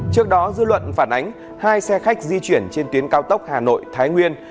trước đó dư luận phản ánh hai xe khách di chuyển trên tuyến cao tốc hà nội thái nguyên